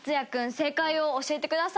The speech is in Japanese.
正解を教えてください。